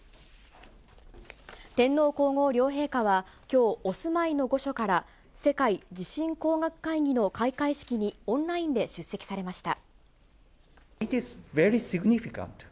天皇皇后両陛下はきょう、お住まいの御所から世界地震工学会議の開会式にオンラインで出席されました。